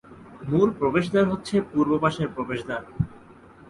মুল প্রবেশদ্বার হচ্ছে পূর্ব পাশের প্রবেশদ্বার।